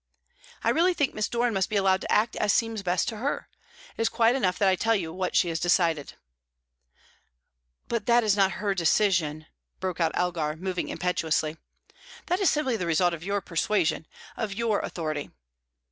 "I really think Miss Doran must be allowed to act as seems best to her. It is quite enough that I tell you what she has decided." "But that is not her decision," broke out Elgar, moving impetuously. "That is simply the result of your persuasion, of your authority.